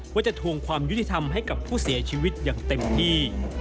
ว่าจะทวงความยุติธรรมให้กับผู้เสียชีวิตอย่างเต็มที่